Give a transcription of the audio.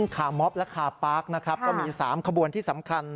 คาม็อบและคาปาร์คนะครับก็มี๓ขบวนที่สำคัญ